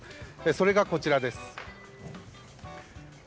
それがこちらです。